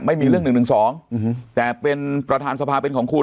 ไม่มีเรื่อง๑๑๒แต่เป็นประธานสภาเป็นของคุณ